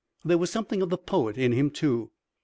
There was something of the poet in him too.